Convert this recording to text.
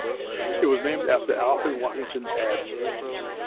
It is named after Alfred Washington Adson.